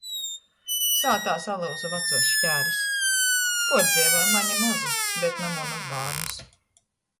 Sātā salyuza vacuos škēris - puordzeivuoja mani mozu, bet na munus bārnus.